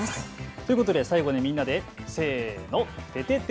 ということで最後にみんなでせーの、ててて！